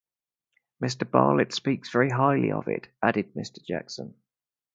"Mr. Barlitt speaks very highly of it," added Mr. Jackson.